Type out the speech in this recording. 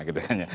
gitu kan ya